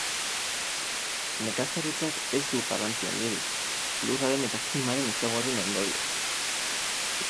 Nekazaritzak ez du garrantzi handirik, lurraren eta klimaren ezaugarrien ondorioz.